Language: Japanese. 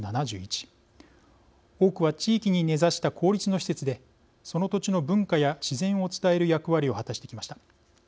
多くは地域に根ざした公立の施設でその土地の文化や自然を伝える役割を果たしてきました。